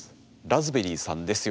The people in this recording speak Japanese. ラズベリーさんです。